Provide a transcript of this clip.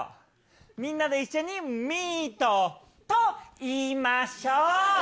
みんなで一緒にミートと言いましょう。